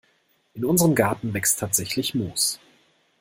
In unserem Garten wächst tatsächlich Moos.